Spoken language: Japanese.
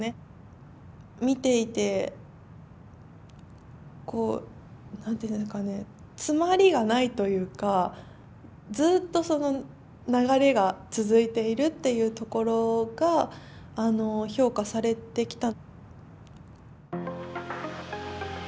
見ていてこう何て言うんですかね詰まりがないというかずっとその流れが続いているっていうところが評価されてきた。